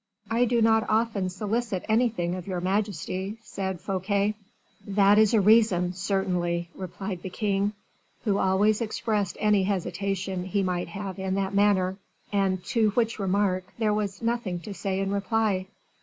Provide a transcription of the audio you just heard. "I do not often solicit anything of your majesty," said Fouquet. "That is a reason, certainly," replied the king, who always expressed any hesitation he might have in that manner, and to which remark there was nothing to say in reply.